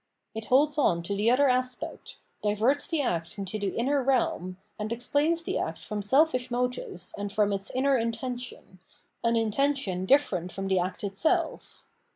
It holds on to the other aspect, diverts the act into the inner realm, and explains the act from selfish motives and from its inner intention, an inten tion different from the act itself.